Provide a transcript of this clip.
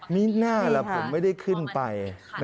มีหน้าล่ะผมไม่ได้ขึ้นไป